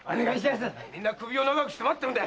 みんな首を長くして待ってるんだ。